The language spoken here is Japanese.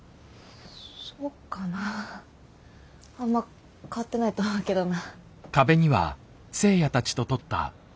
そっかなあんま変わってないと思うけどな。